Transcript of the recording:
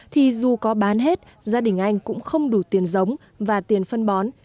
thì dù có bán hết gia đình anh cũng không đủ tiền giống và tiền phân bó